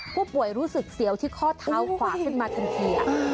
ผู้ป่วยรู้สึกเสียวที่ข้อเท้าขวาขึ้นมาทันที